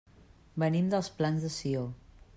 Venim dels Plans de Sió.